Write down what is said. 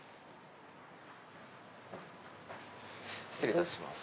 失礼いたします。